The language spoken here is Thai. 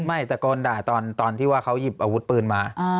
ไม่ตะโกนด่าตอนที่ว่าเขาหยิบอาวุธปืนมา